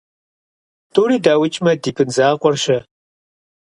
- ТӀури даукӀмэ, ди бын закъуэр - щэ?